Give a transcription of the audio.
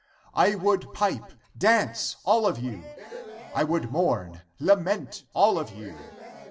I would pipe, dance all of you ! Amen. I would mourn, lament all of you